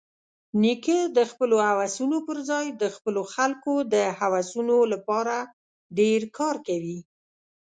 نیکه د خپلو هوسونو پرځای د خپلو خلکو د هوسونو لپاره ډېر کار کوي.